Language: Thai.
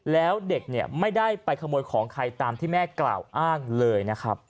แล้วเด็กเนี่ยไม่ได้ไปขโมยของใครตามที่แม่กล่าวอ้างเลยนะครับ